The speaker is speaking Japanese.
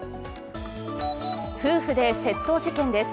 夫婦で窃盗事件です。